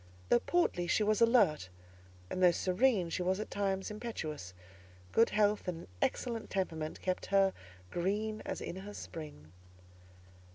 Though portly, she was alert, and though serene, she was at times impetuous—good health and an excellent temperament kept her green as in her spring.